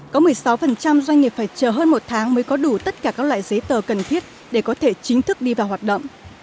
có một mươi sáu doanh nghiệp phải chờ hơn một tháng mới có đủ tất cả các loại giấy tờ cần thiết để có thể chính thức đi vào hoạt động